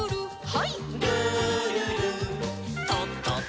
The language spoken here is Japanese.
はい。